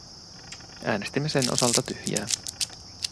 Äänestimme sen osalta tyhjää.